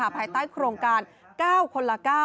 ภายใต้โครงการ๙คนละ๙